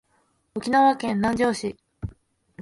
沖縄県南城市